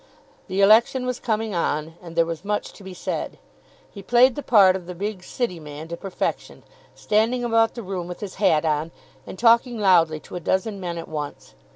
The election was coming on, and there was much to be said. He played the part of the big City man to perfection, standing about the room with his hat on, and talking loudly to a dozen men at once.